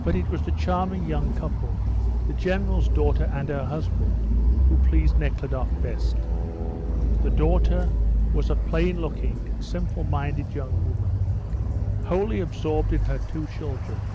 But it was the charming young couple, the General's daughter and her husband, who pleased Nekhludoff best. The daughter was a plain looking, simple minded young woman, wholly absorbed in her two children.